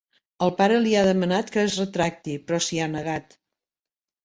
El pare li ha demanat que es retracti, però s'hi ha negat.